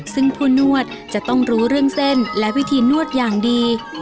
ซึ่งผู้นวดจะต้องรู้เรื่องเส้นและวิธีนวดอย่างดี